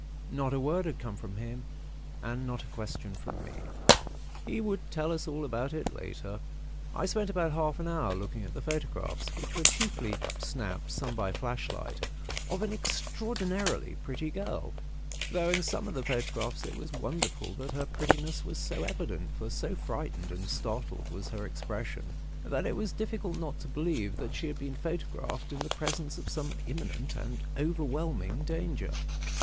Not a word had come from him, and not a question from me. He would tell us all about it later. I spent about half an hour, looking at the photographs, which were chiefly "snaps" (some by flashlight) of an extraordinarily pretty girl; though in some of the photographs it was wonderful that her prettiness was so evident, for so frightened and startled was her expression, that it was difficult not to believe that she had been photographed in the presence of some imminent and overwhelming danger.